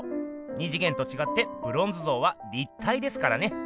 二次元とちがってブロンズ像は立体ですからね。